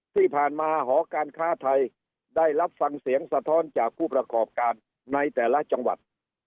ที่ผ่านมาหอการค้าไทยได้รับฟังเสียงสะท้อนจากผู้ประกอบการในแต่ละจังหวัด